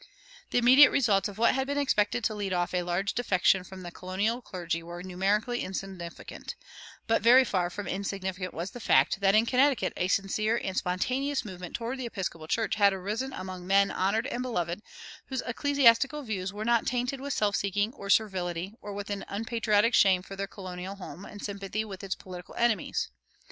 The immediate results of what had been expected to lead off a large defection from the colonial clergy were numerically insignificant; but very far from insignificant was the fact that in Connecticut a sincere and spontaneous movement toward the Episcopal Church had arisen among men honored and beloved, whose ecclesiastical views were not tainted with self seeking or servility or with an unpatriotic shame for their colonial home and sympathy with its political enemies.